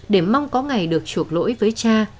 để mong có ngày được chuộc lỗi với cha